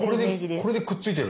これでくっついてる？